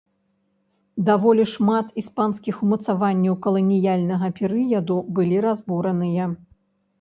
Даволі шмат іспанскіх умацаванняў каланіяльнага перыяду былі разбураныя.